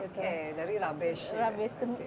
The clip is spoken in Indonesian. oke dari rabis ya